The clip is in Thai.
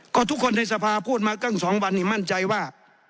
ก็ทุกคนในสภาพูดมาตั้ง๒วันนี้มั่นใจว่า